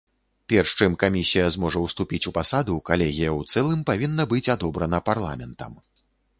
Перш чым камісія зможа ўступіць у пасаду, калегія ў цэлым павінна быць адобрана парламентам.